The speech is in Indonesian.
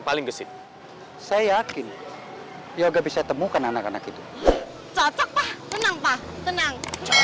paling gesit saya yakin yoga bisa temukan anak anak itu cocok pak tenang pak tenang